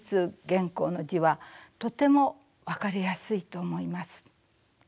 原稿の字はとても分かりやすいと思います。